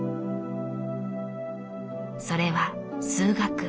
それは数学。